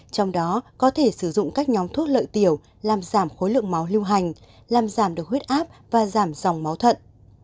trong đó có thể sử dụng các nhóm thuốc lợi tiểu làm giảm khối lượng máu lưu hành làm giảm được huyết áp và giảm dòng máu thận